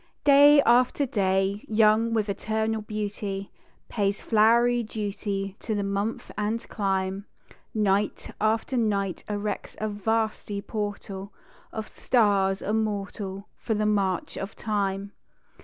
Day after Day, young with eternal beauty, Pays flowery duty to the month and clime; Night after night erects a vasty portal Of stars immortal for the march of Time.